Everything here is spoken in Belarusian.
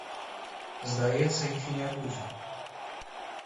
Здаецца, іх і не будзе.